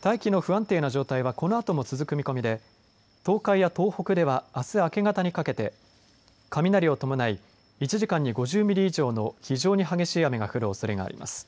大気の不安定な状態はこのあとも続く見込みで東海や東北ではあす明け方にかけて雷を伴い１時間に５０ミリ以上の非常に激しい雨が降るおそれがあります。